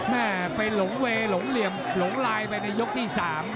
เป็นหลงเวหลงลายไปในยกที่๓